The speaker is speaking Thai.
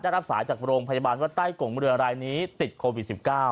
รับสายจากโรงพยาบาลว่าใต้กงเรือรายนี้ติดโควิด๑๙